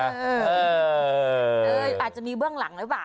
อาจจะมีเบื้องหลังแล้วป่ะครับ